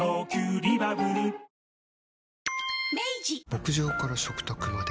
牧場から食卓まで。